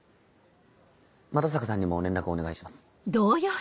又坂さんにも連絡をお願いします。